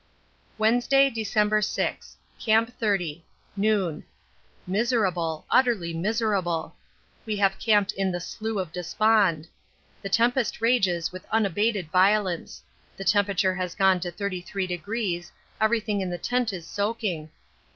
Wednesday, December 6. Camp 30. Noon. Miserable, utterly miserable. We have camped in the 'Slough of Despond.' The tempest rages with unabated violence. The temperature has gone to 33°; everything in the tent is soaking.